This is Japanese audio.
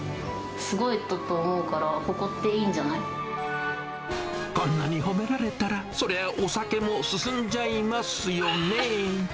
すごいことだと思うから、こんなに褒められたら、そりゃ、お酒も進んじゃいますよね。